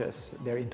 mereka memiliki inti